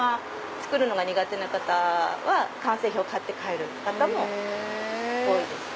作るのが苦手な方は完成品を買って帰る方も多いです。